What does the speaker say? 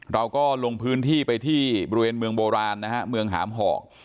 เราก็ลงพื้นที่ไปที่บริเวณเมืองโบราณนะฮะเมืองหามหอก